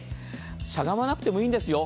しゃがまなくてもいいんですよ。